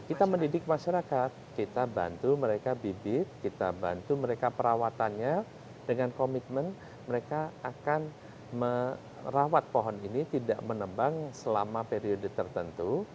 kita mendidik masyarakat kita bantu mereka bibit kita bantu mereka perawatannya dengan komitmen mereka akan merawat pohon ini tidak menebang selama periode tertentu